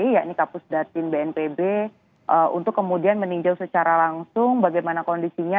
yakni kapus datin bnpb untuk kemudian meninjau secara langsung bagaimana kondisinya